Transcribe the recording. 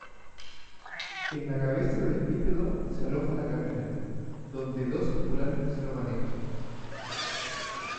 En la cabeza del bípedo se aloja la cabina, donde dos tripulantes lo manejan.